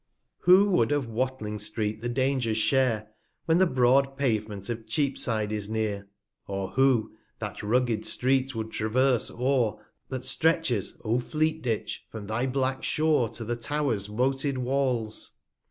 120 Who would of Catling street the Dangers share, When the broad Pavement of Cheap side is near? Or who * that rugged Street would traverse o'er, That stretches, O Fleet ditch, from thy black Shore To the Towrs moated Walls